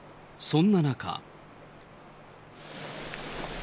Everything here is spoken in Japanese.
そんな中。